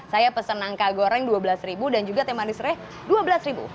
saya pesen nangka goreng rp dua belas dan juga teh manis reh rp dua belas